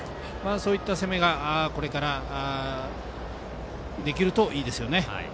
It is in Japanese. そういった攻めがこれからできるといいですよね。